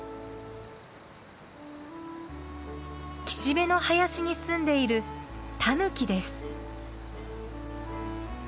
岸辺の林に住んでいるタヌキです。